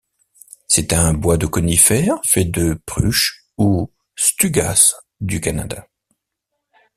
C'est un bois de conifères fait de pruches ou tsugas du Canada.